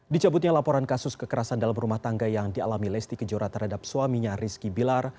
di cabutnya laporan kasus kekerasan dalam rumah tangga yang dialami lesti kejora terhadap suaminya rizky bilar